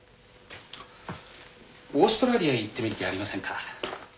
オーストラリアへ行ってみる気ありませんか？